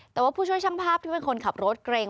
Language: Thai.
แต่ว่าผู้ช่วยช่างภาพที่เป็นคนขับรถเกรง